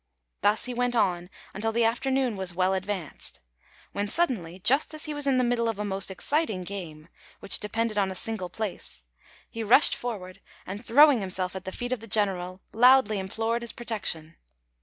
Thus he went on until the afternoon was well advanced; when suddenly, just as he was in the middle of a most exciting game, which depended on a single place, he rushed forward, and throwing himself at the feet of the general, loudly implored his protection.